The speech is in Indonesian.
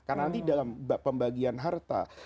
karena nanti dalam pembagian harta